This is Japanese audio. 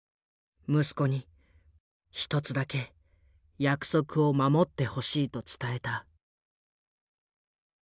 息子に一つだけ約束を守ってほしいと伝えた。